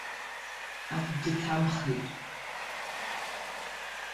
Акгьы ҭамхеит.